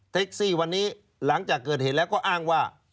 ซี่วันนี้หลังจากเกิดเหตุแล้วก็อ้างว่า